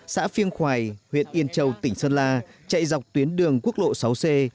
xã phiêng khoài huyện yên châu tỉnh sơn la chạy dọc tuyến đường quốc lộ sáu c